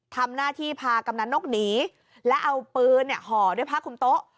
ทำหน้าที่พากำนันนกหนีและเอาปืนห่อด้วยผ้าคุมโต๊ะ